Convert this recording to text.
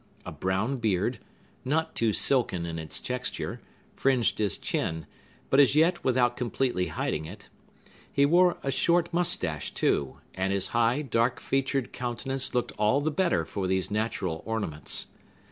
A brown beard, not too silken in its texture, fringed his chin, but as yet without completely hiding it; he wore a short mustache, too, and his dark, high featured countenance looked all the better for these natural ornaments.